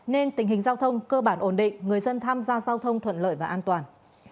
nên tình hình giao thông cơ bản ổn định người dân tham gia giao thông thuận lợi và an toàn